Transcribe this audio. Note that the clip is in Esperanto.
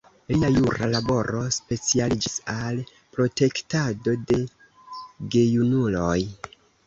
Lia jura laboro specialiĝis al protektado de gejunuloj.